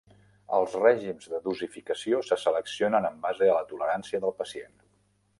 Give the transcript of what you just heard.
Els règims de dosificació se seleccionen en base a la tolerància del pacient.